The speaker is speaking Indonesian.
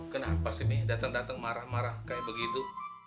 kenapa sih mi datang datang marah marah kayak begitu